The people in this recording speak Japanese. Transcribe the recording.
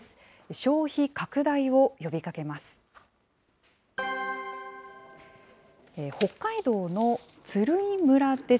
消費拡大を呼びかけます。